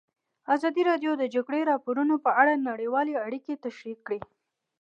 ازادي راډیو د د جګړې راپورونه په اړه نړیوالې اړیکې تشریح کړي.